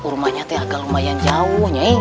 rumahnya tuh agak lumayan jauhnya i